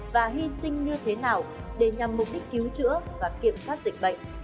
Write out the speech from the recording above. và hy sinh như thế nào để nhằm mục đích cứu chữa và kiểm soát dịch bệnh